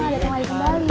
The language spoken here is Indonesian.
datang lagi kembali